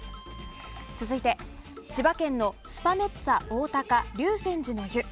続いて、千葉県のスパメッツァおおたか竜泉寺の湯。